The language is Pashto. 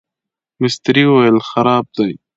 مستري وویل خراب دی.